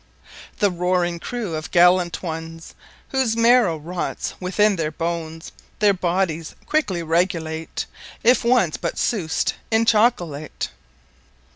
The Roaring Crew of Gallant Ones Whose Marrow Rotts within their Bones: Their Bodyes quickly Regulate, If once but Sous'd in Chocolate.